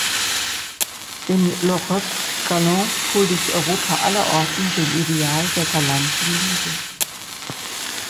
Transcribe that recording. In "L’Europe galante" huldigt Europa allerorten dem Ideal der galanten Liebe.